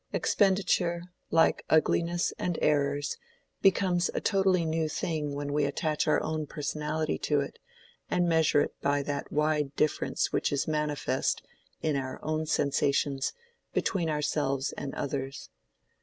Expenditure—like ugliness and errors—becomes a totally new thing when we attach our own personality to it, and measure it by that wide difference which is manifest (in our own sensations) between ourselves and others.